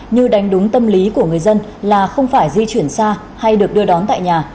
như đánh đúng tâm lý của người dân là không phải di chuyển xa hay được đưa đón tại nhà